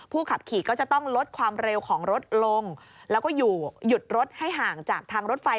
ขับขี่ก็จะต้องลดความเร็วของรถลงแล้วก็อยู่หยุดรถให้ห่างจากทางรถไฟ